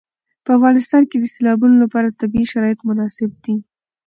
په افغانستان کې د سیلابونه لپاره طبیعي شرایط مناسب دي.